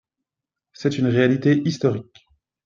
C’est une réalité historique